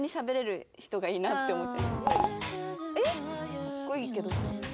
かっこいいけど。